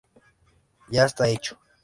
Ya está hecho.